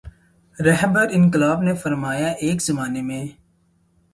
رہبرانقلاب نے فرمایا ایک زمانے میں